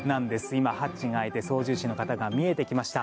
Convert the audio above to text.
今、ハッチが開いて操縦士の方が見えてきました。